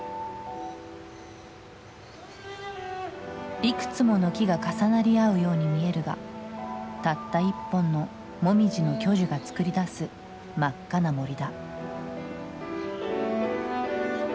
いくつもの木が重なり合うように見えるがたった一本のモミジの巨樹が作り出す真っ赤な森だ。